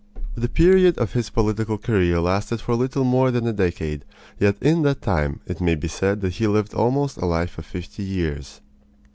The period of his political career lasted for little more than a decade, yet in that time it may be said that he lived almost a life of fifty years.